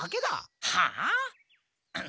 はあ？